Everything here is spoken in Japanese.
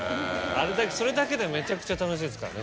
それだけでめちゃくちゃ楽しいですからね